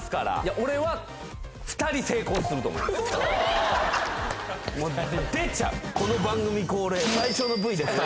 俺は２人成功すると思います２人？